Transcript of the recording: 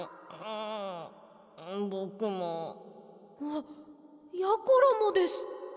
あっやころもです。